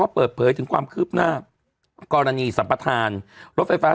เขาก็เปิดเผยถึงความคืบหน้ากรณีสัมปทานรถไฟฟ้าสาย